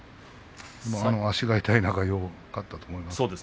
足が痛い中よく勝ったと思います。